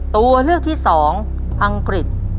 ตัวเลือกที่๒อังกฤษ